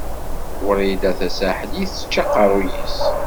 Wrida Tasaḥlit tečča aqeṛṛuy-is.